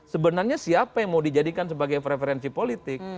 sebenarnya siapa yang mau dijadikan sebagai preferensi politik